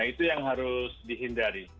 itu yang harus dihindari